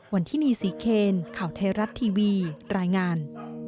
วันที่นี่ศรีเคนข่าวไทยรัฐทีวีรายงาน